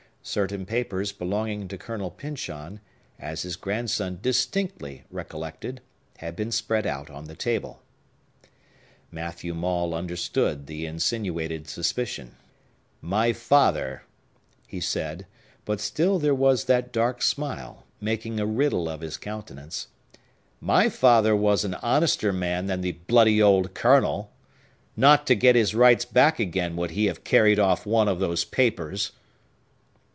Certain papers belonging to Colonel Pyncheon, as his grandson distinctly recollected, had been spread out on the table. Matthew Maule understood the insinuated suspicion. "My father," he said,—but still there was that dark smile, making a riddle of his countenance,—"my father was an honester man than the bloody old Colonel! Not to get his rights back again would he have carried off one of those papers!"